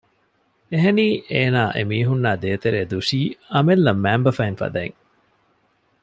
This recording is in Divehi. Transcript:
އެހެނީ އޭނާ އެމީހުންނާ ދޭތެރޭ ދުށީ އަމިއްލަ މައިންބަފައިން ފަދައިން